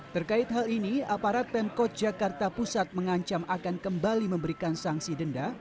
terkait hal ini aparat pemkot jakarta pusat mengancam akan kembali memberikan sanksi denda